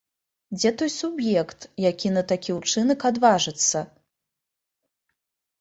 Дзе той суб'ект, які на такі ўчынак адважыцца?